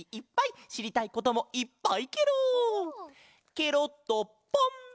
ケロッとポン！